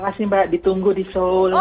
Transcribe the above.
terima kasih mbak ditunggu di seoul